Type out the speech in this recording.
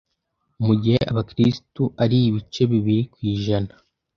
mu gihe Abakristu ari ibice bibiri kwijana